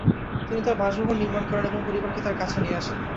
তিনি তার বাসভবন নির্মাণ করেন এবং পরিবারকে তার কাছে নিয়ে আসেন।